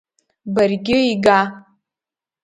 Баргьы ига!